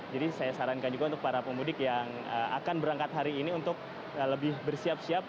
jadi saya sarankan juga untuk para pemudik yang akan berangkat hari ini untuk lebih bersiap siap